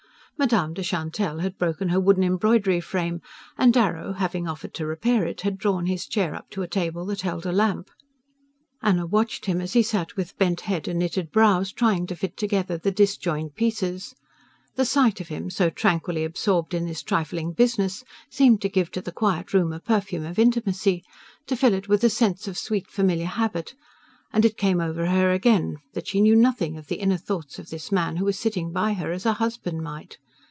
Madame de Chantelle had broken her wooden embroidery frame, and Darrow, having offered to repair it, had drawn his chair up to a table that held a lamp. Anna watched him as he sat with bent head and knitted brows, trying to fit together the disjoined pieces. The sight of him, so tranquilly absorbed in this trifling business, seemed to give to the quiet room a perfume of intimacy, to fill it with a sense of sweet familiar habit; and it came over her again that she knew nothing of the inner thoughts of this man who was sitting by her as a husband might.